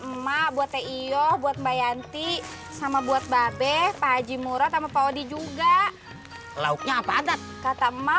emak buat teh io buat mbak yanti sama buat babe pak haji mura sama pak odi juga lauknya apa adat kata emak